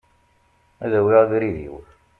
Ad awiɣ abrid-iw.